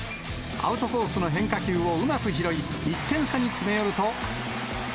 アウトコースの変化球をうまく拾い、１点差に詰め寄ると。